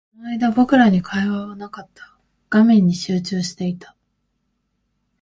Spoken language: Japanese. その間、僕らに会話はなかった。画面に集中していた。